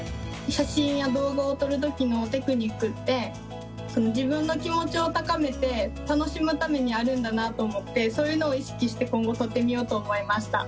写真や動画を撮る時のテクニックって自分の気持ちを高めて楽しむためにあるんだなと思ってそういうのを意識して今後撮ってみようと思いました。